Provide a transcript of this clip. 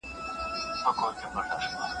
د هغه کالي ډېر پاک او سپین وو.